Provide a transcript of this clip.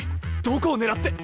どこを狙って？